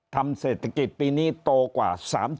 ทำเศรษฐกิจปีนี้โตกว่า๓๐